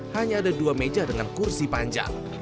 hanya ada dua meja dengan kursi panjang